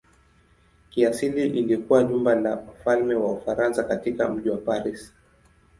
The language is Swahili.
Kiasili ilikuwa jumba la wafalme wa Ufaransa katika mji wa Paris.